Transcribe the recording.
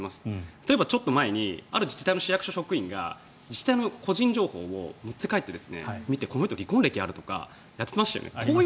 例えば、ちょっと前にある自治体の市役所職員が自治体の個人情報を持って帰って、見てこの人、離婚歴あるとかやってましたよね。